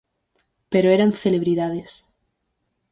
Pero eran celebridades.